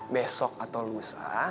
besok atau lusa